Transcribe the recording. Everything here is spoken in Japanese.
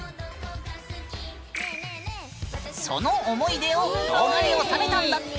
その思い出を動画に収めたんだって！